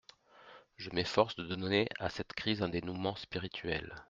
Je m'efforce de donner à cette crise un dénoûment spirituel.